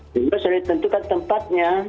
kita sudah tentukan tempatnya